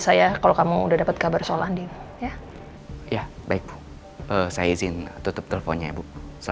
saya tuh khawatir sekali loh